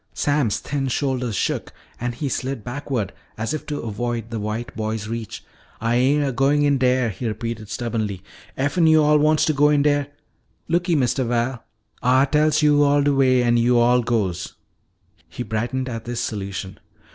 Sam's thin shoulders shook and he slid backward as if to avoid the white boy's reach. "Ah ain' a goin' in dere," he repeated stubbornly. "Effen yo'all wants to go in dere Looky, Mistuh Val, Ah tells yo'all de way an' yo'all goes." He brightened at this solution.